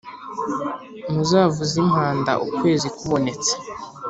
Muzavuze impanda ukwezi kubonetse